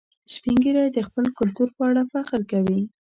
سپین ږیری د خپل کلتور په اړه فخر کوي